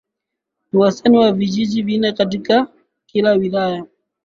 Ni wastani wa vijiji vinne katika kila wilaya